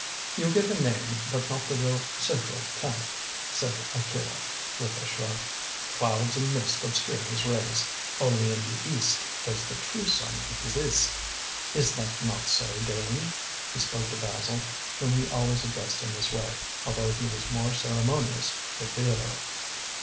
"You get a name, but not the real central planet," said Akira, with a shrug. "Clouds and mist obscure his rays. Only in the East does the true sun exist. Is that not so, Dane?" he spoke to Basil, whom he always addressed in this way, although he was more ceremonious with Theodore.